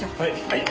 はい。